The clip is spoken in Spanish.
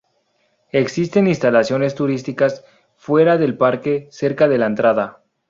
Existen instalaciones turísticas fuera del parque, cerca de la entrada.